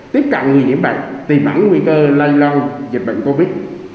tiếp cận người nhiễm bệnh tìm hẳn nguy cơ lanh lanh dịch bệnh covid